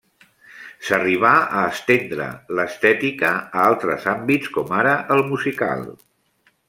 S'arribà a estendre l'estètica a altres àmbits com ara el musical.